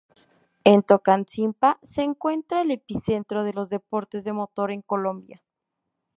En Tocancipá se encuentra el epicentro de los deportes de motor en Colombia.